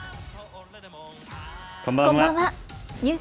こんばんは。